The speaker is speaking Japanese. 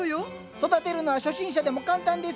育てるのは初心者でも簡単ですよ。